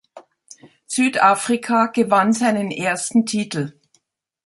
Südafrika gewann seinen ersten Titel.